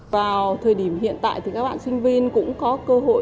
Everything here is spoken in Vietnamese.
vào thời điểm hiện tại thì các bạn sinh viên cũng có cơ hội